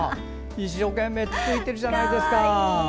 一生懸命つついてるじゃないですか。